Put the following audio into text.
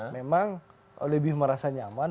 memang lebih merasa nyaman